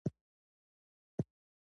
نجلۍ حیرانه شوه.